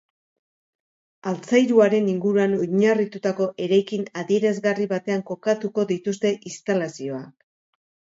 Altzairuaren inguruan oinarritutako eraikin adierazgarri batean kokatuko dituzte instalazioak.